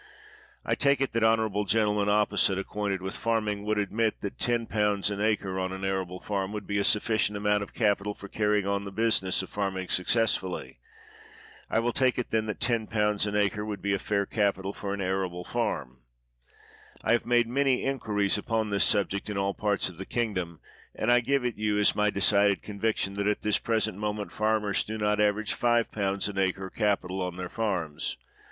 I take it that honorable gentlemen opposite, acquainted with farming, would admit that 101. an acre, on an arable farm, would be a sufficient amount of capital for carrying on the business of farming successfully. I will take it, then, that 101. an acre would be a fair capital for an arable farm. I have made many inquiries upon this subject in all parts of the kingdom, and I give it you as my decided conviction, that at this present moment farmers do not average 51. an acre capital on their farms.